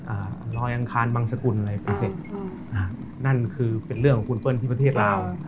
อ่าลอยอังคารบังสกุลอะไรไปเสร็จอืมอ่านั่นคือเป็นเรื่องของคุณเปิ้ลที่ประเทศลาว